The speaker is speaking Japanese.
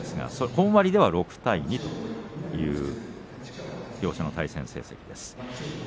本割では６対２という両者の対戦成績です。